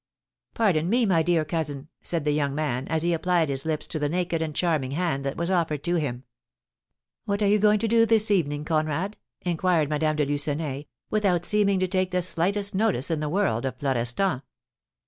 "Pardon me, my dear cousin," said the young man, as he applied his lips to the naked and charming hand that was offered to him. "What are you going to do this evening, Conrad?" inquired Madame de Lucenay, without seeming to take the slightest notice in the world of Florestan.